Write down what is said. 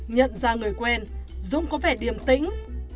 nhận ra người quen dũng có vẻ điềm tĩnh